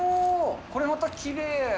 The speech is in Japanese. これまた、きれい。